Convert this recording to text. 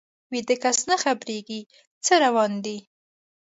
ویده کس نه خبریږي څه روان دي